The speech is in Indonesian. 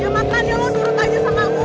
ya makannya lo durut aja sama gue